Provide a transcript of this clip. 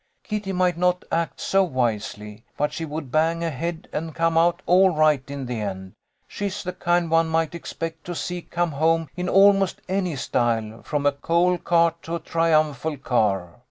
Kitty might not act so wisely, but she would bang ahead and come out all right in the end. She is the kind one might expect to see come home in almost any style, from a coal cart to a triumphal car.